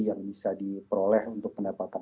yang bisa diperoleh untuk pendapatan